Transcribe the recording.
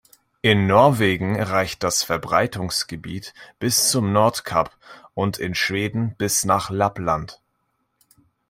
In Norwegen reicht das Verbreitungsgebiet bis zum Nordkap und in Schweden bis nach Lappland.